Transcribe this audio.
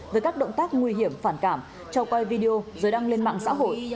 với các động tác nguy hiểm phản cảm trò quay video giới đăng lên mạng xã hội